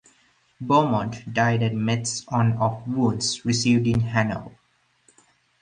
Beaumont died at Metz on of wounds received in Hanau.